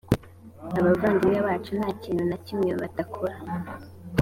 abavandimwe bacu nta kintu na kimwe batakora